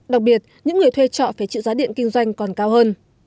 đặc biệt những người thuê trọ phải chịu giá điện kinh doanh còn cao hơn